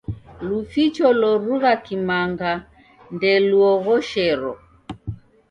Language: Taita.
Luficho lorugha kimanga ndeluoghoshero.